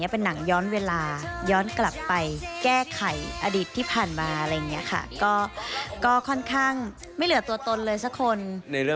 เป็นหนังย้อนเวลาย้อนกลับไปแก้ไข